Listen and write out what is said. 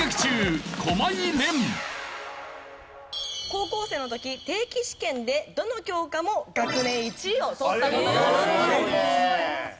高校生の時定期試験でどの教科も学年１位を取った事があるそうです。